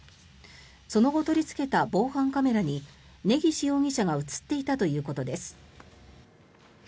その後取りつけた防犯カメラに根岸容疑者が映っていたということです。